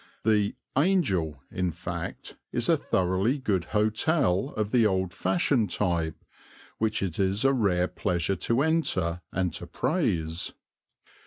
The "Angel," in fact, is a thoroughly good hotel of the old fashioned type, which it is a rare pleasure to enter and to praise.